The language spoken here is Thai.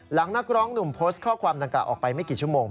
นักร้องหนุ่มโพสต์ข้อความดังกล่าออกไปไม่กี่ชั่วโมง